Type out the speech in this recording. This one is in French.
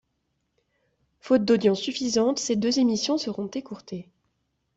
Fautes d'audiences suffisantes, ces deux émissions seront écourtées.